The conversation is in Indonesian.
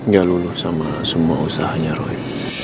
gak luluh sama semua usahanya roy